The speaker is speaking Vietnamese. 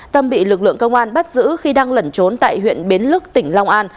tâm bị lực lượng công an bắt giữ khi đang lẩn trốn tại huyện bến lức tỉnh long an